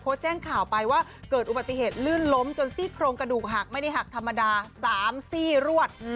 เพราะแจ้งข่าวไปว่าเกิดอุบัติเหตุลื่นล้มจนซี่โครงกระดูกหักไม่ได้หักธรรมดา๓ซี่รวด